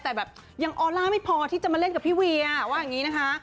แต่แบบยังออลล่าไม่พอที่จะมาเล่นกับพี่เวียว่าอย่างนี้นะคะ